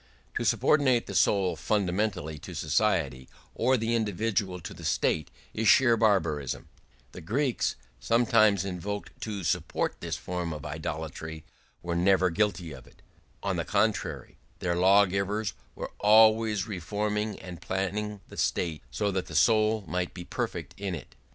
To subordinate the soul fundamentally to society or the individual to the state is sheer barbarism: the Greeks, sometimes invoked to support this form of idolatry, were never guilty of it; on the contrary, their lawgivers were always reforming and planning the state so that the soul might be perfect in it.